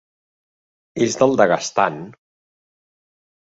És del Daguestan.